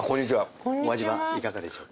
お味はいかがでしょうか？